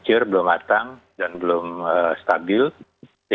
juga ada utmost problem dari utama vaksinin